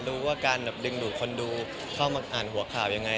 ดูว่าการดึงดูดคนดูเข้ามาอ่านหัวข่าวยังไง